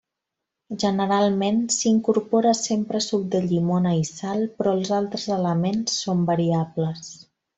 Generalment s'hi incorpora sempre suc de llimona i sal però els altres elements són variables.